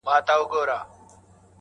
بلکې سروې کړې مې دي